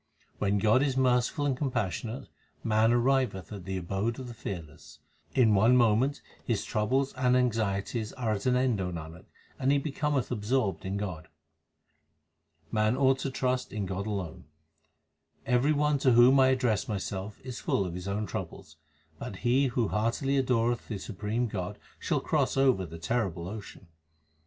When God is merciful and compassionate, man arriveth at the abode of the Fearless. In one moment his troubles and anxieties are at an end, O Nanak, and he becometh absorbed in God. Man ought to trust to God alone : Every one to whom I address myself is full of his own troubles ; But he who heartily adoreth the Supreme God shall cross over the terrible ocean.